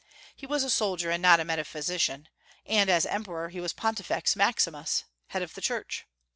He was a soldier, and not a metaphysician; and, as Emperor, he was Pontifex Maximus, head of the Church.